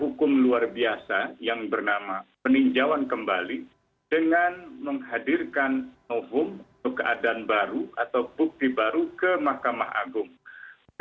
hukum luar biasa yang bernama peninjauan kembali dengan menghadirkan novum atau keadaan baru atau bukti baru ke mahkamah agung